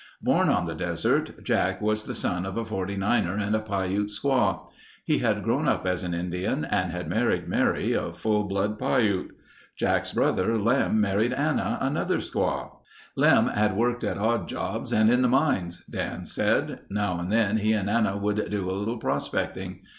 Born on the desert, Jack was the son of a Forty Niner and a Piute squaw. He had grown up as an Indian and had married Mary, a full blood Piute. Jack's brother Lem married Anna, another squaw. "Lem had worked at odd jobs and in the mines," Dan said. "Now and then he and Anna would do a little prospecting.